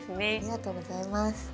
ありがとうございます。